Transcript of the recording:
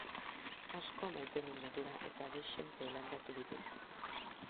Asko maite dut natura eta dezente landatu ditut.